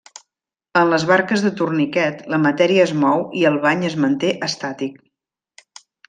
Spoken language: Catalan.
En les barques de torniquet la matèria es mou i el bany es manté estàtic.